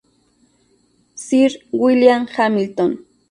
Sir William Hamilton.